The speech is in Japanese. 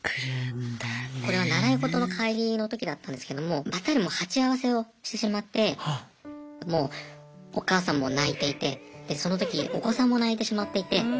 これは習い事の帰りの時だったんですけどもバッタリもう鉢合わせをしてしまってもうお母さんも泣いていてでその時お子さんも泣いてしまっていて。